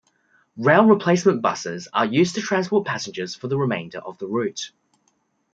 Rail replacement buses are used to transport passengers for the remainder of the route.